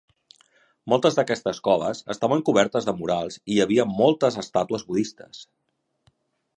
Moltes d'aquestes coves estaven cobertes de murals i hi havia moltes estàtues budistes.